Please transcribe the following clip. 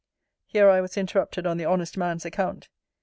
Here I was interrupted on the honest man's account.